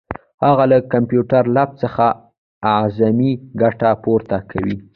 هغه له کمپیوټر لیب څخه اعظمي ګټه پورته کوي.